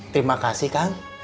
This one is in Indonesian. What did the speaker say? terima kasih kang